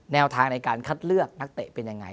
แนวทางในการคัดเลือกนักเตะเป็นยังไง